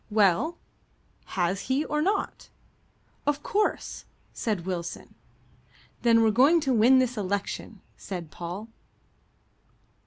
"Well, has He or not?" "Of course," said Wilson. "Then we're going to win this election," said Paul.